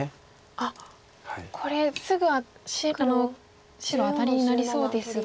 あっこれすぐ白アタリになりそうですが。